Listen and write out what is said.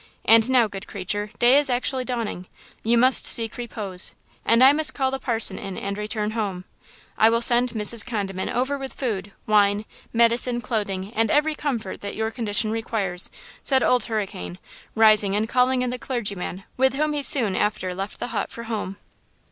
And now, good creature, day is actually dawning. You must seek repose. And I must call the parson in and return home. I will send Mrs. Condiment over with food, wine, medicine, clothing and every comfort that your condition requires," said Old Hurricane, rising and calling in the clergyman, with whom he soon after left the hut for home.